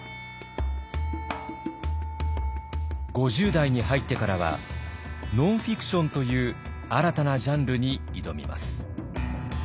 ５０代に入ってからはノンフィクションという新たなジャンルに挑みます。